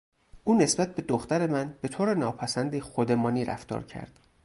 او نسبت به دختر من بهطور ناپسندی خودمانی رفتار کرد.